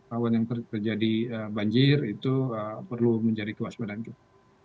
awan yang terjadi banjir itu perlu menjadi kewaspadaan kita